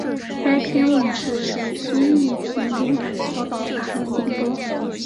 该片问世时因议题敏感遭到大陆禁播。